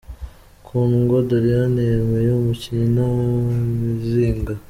Kundwa Doriane yemeye amuki nta mizinga? .